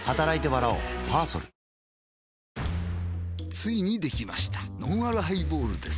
ついにできましたのんあるハイボールです